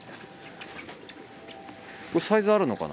これサイズあるのかな？